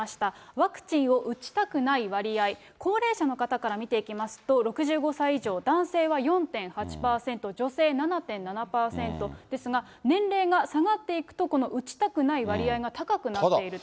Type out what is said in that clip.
ワクチンを打ちたくない割合、高齢者の方から見ていきますと、６５歳以上、男性は４．８％、女性７．７％ですが、年齢が下がっていくと、この打ちたくない割合が高くなっていると。